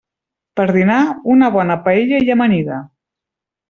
Per dinar, una bona paella i amanida.